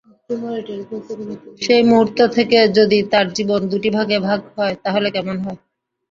সেই মুহূর্ত থেকে যদি তাঁর জীবন দুটি ভাগে ভাগ হয়, তাহলে কেমন হয়?